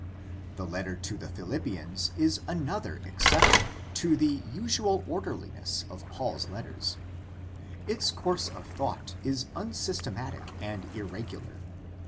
The letter to the Fhilippians is another exception to the usual orderliness of Paul's letters. Its course of thought is unsystematic and irregular.